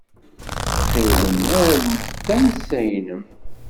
Ttxil-m, aru-d tansa-nnem.